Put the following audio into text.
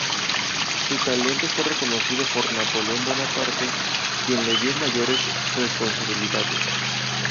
Su talento fue reconocido por Napoleón Bonaparte quien le dio mayores responsabilidades.